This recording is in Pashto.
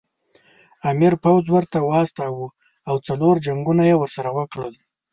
امیر پوځ ور واستاوه او څلور جنګونه یې ورسره وکړل.